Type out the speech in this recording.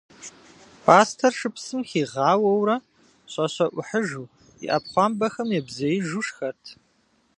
Пӏастэр шыпсым хигъауэурэ, щӏэщэӏухьыжу, и ӏэпхъуамбэхэм ебзеижу шхэрт.